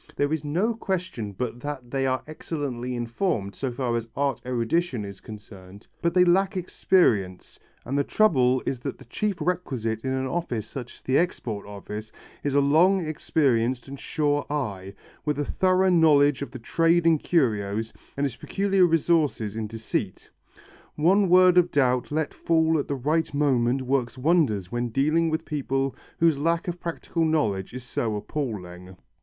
There is no question but that they are excellently informed, so far as art erudition is concerned, but they lack experience, and the trouble is that the chief requisite in an office such as the Export Office is a long experienced and sure eye, with a thorough knowledge of the trade in curios, and its peculiar resources in deceit. One word of doubt let fall at the right moment works wonders when dealing with people whose lack of practical knowledge is so appalling.